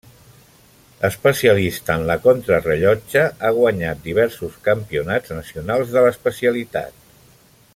Especialista en la contrarellotge, ha guanyat diversos campionats nacionals de l'especialitat.